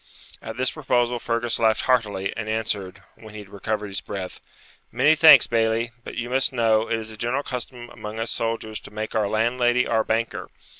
At this proposal Fergus laughed heartily, and answered, when he had recovered his breath 'Many thanks, Bailie; but you must know, it is a general custom among us soldiers to make our landlady our banker.